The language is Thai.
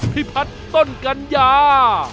พิพัฒน์ต้นกัญญา